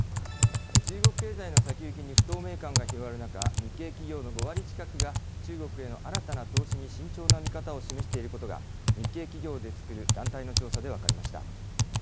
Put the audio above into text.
中国経済の先行きに不透明感が広がる中、日系企業の５割近くが、中国への新たな投資に慎重な見方を示していることが、日系企業で作る団体の調査で分かりました。